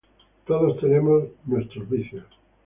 Todos tenemos nuestros vicios.